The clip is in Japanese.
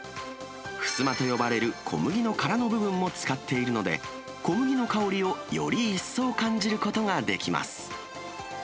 ふすまと呼ばれる小麦の殻の部分も使っているので、小麦の香りをより一層感じることができます。